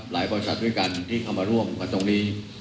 บริษัทด้วยกันที่เข้ามาร่วมกันตรงนี้